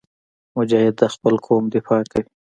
مجاهد د خپل قوم دفاع کوي.